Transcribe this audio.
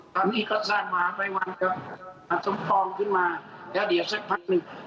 ตอนนี้เค้าสร้างหมาไฟวังกับหมาสมปรองขึ้นมาแล้วเดี๋ยวสักพันธุ์หนึ่ง